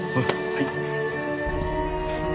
はい。